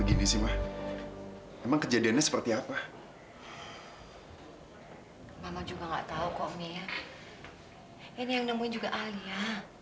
ini yang nemuin juga alia